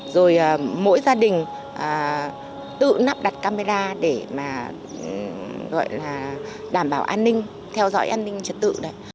rồi mỗi gia đình tự nắp đặt camera để đảm bảo an ninh theo dõi an ninh trật tự